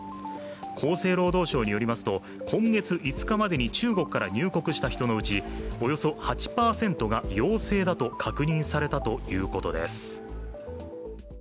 厚生労働省によりますと、今月５日までに中国から入国した人のうち、およそ８％が陽性だと確認されたということです。